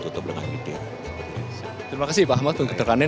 terima kasih pak ahmad untuk tekanannya